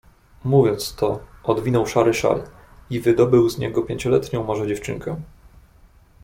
"Mówiąc to, odwinął szary szal i wydobył z niego pięcioletnią może dziewczynkę."